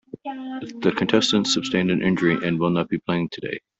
The contestant sustained an injury and will not be playing today.